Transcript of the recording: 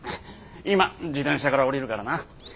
今自転車から降りるからな。